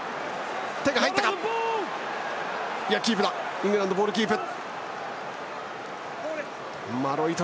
イングランド、ボールキープ。